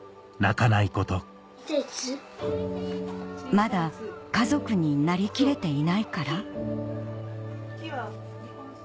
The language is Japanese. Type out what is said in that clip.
「まだ家族になりきれていないから？」